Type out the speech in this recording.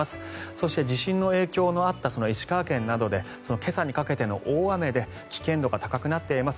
そして、地震の影響のあった石川県などで今朝にかけての大雨で危険度が高くなっています。